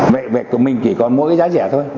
vậy của mình chỉ còn mỗi cái giá rẻ thôi